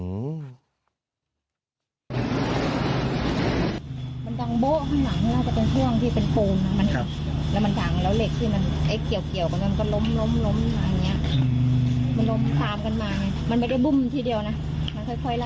มันกากข้างหลังจะเป็นเครื่องปูลนะมันกางแล้วเหล็กที่เขียวกันก็ล้ม